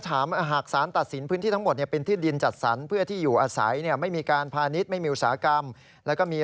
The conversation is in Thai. สมัยที่ท่านดำรงตำแหน่งก็คือสมัยนี้